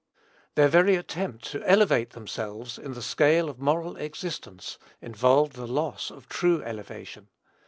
Their very attempt to elevate themselves in the scale of moral existence involved the loss of true elevation.